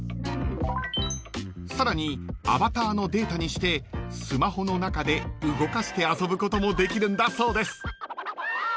［さらにアバターのデータにしてスマホの中で動かして遊ぶこともできるんだそうです］